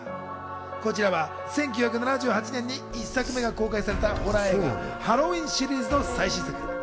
こちらは１９７８年に１作目が公開されたホラー映画ハロウィーンシリーズの最新作。